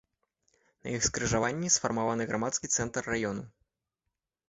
На іх скрыжаванні сфармаваны грамадскі цэнтр раёна.